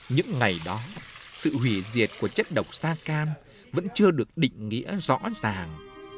những ngày đó sự hủy diệt của chất độc da cam vẫn chưa được định nghĩa rõ ràng